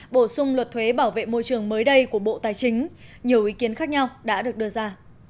bổ sung luật thuế bảo vệ môi trường mới đây của bộ tài chính nhiều ý kiến khác nhau đã được đưa ra